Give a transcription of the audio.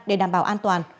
để đảm bảo an toàn